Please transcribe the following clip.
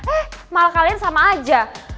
eh malah kalian sama aja